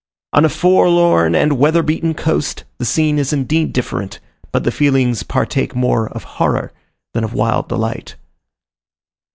On a forlorn and weather beaten coast, the scene is indeed different, but the feelings partake more of horror than of wild delight.